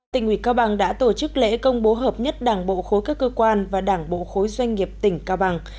tỉnh ủy cao bằng đã tổ chức lễ công bố hợp nhất đảng bộ khối các cơ quan và đảng bộ khối doanh nghiệp tỉnh cao bằng